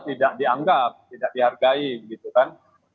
tidak dianggap tidak dihargai begitu kan